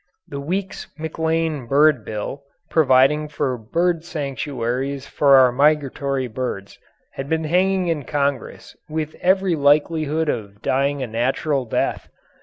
The Weeks McLean Bird Bill, providing for bird sanctuaries for our migratory birds, had been hanging in Congress with every likelihood of dying a natural death.